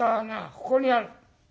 ここにある。